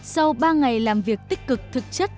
sau ba ngày làm việc tích cực thực chất